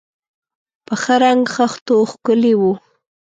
په ښه رنګ خښتو ښکلي و.